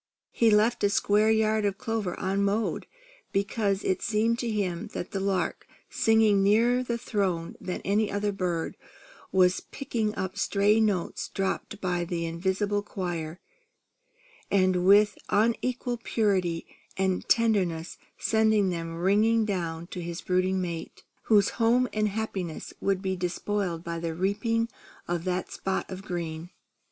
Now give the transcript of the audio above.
He left a square yard of clover unmowed, because it seemed to him that the lark, singing nearer the Throne than any other bird, was picking up stray notes dropped by the Invisible Choir, and with unequalled purity and tenderness, sending them ringing down to his brooding mate, whose home and happiness would be despoiled by the reaping of that spot of green.